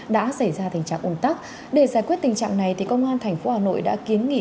đã xảy ra tình trạng ồn tắc để giải quyết tình trạng này thì công an thành phố hà nội đã kiến nghị